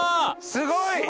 すごい！